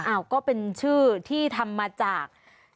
ก็เป็นชื่อที่ทำมาจาก